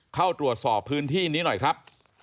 เข้าตรวจสอบพื้นที่นี้หน่อยครับ